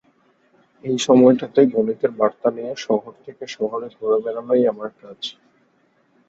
এই সময়টাতে গণিতের বার্তা নিয়ে শহর থেকে শহরে ঘুরে বেড়ানোই আমার কাজ।